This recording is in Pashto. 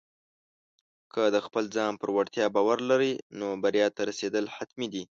که د خپل ځان پر وړتیا باور لرې، نو بریا ته رسېدل حتمي دي.